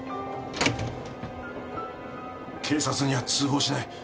警察には通報しない。